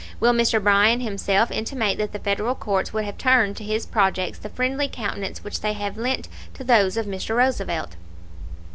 Will Mr. Bryan himself intimate that the Federal courts would have turned to his projects the friendly countenance which they have lent to those of Mr. Roosevelt?